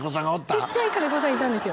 ちっちゃい金子さんいたんですよ